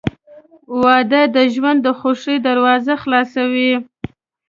• واده د ژوند د خوښۍ دروازه خلاصوي.